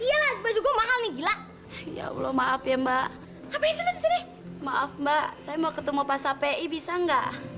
eh pas hpi assalamualaikum pak